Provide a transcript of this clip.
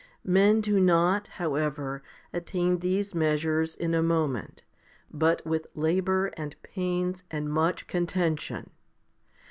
Men do not, however, attain these measures in a moment, but with labour and pains and much contention.